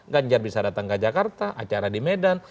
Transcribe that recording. ganjar bisa datang ke jakarta acara di medan